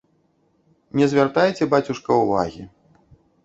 Не звяртайце, бацюшка, увагі.